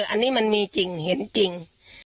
อันนี้มันมีจริงเห็นจริง